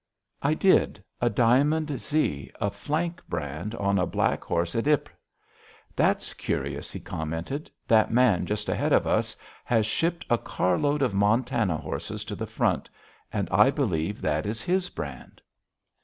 I did. A Diamond Z, a flank brand on a black horse at Ypres. "That's curious," he commented. "That man just ahead of us has shipped a carload of Montana horses to the front, and I believe that is his brand."